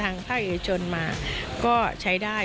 มาทางภาคริสุนมาก็ใช้ได้